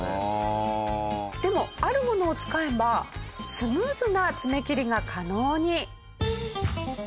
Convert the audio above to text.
でもあるものを使えばスムーズな爪切りが可能に。